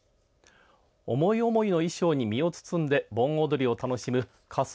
思い思いの衣装に身を包んで盆踊りを楽しむ仮装